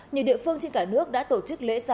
nhiều địa phương trên cả nước đã tổ chức lễ ra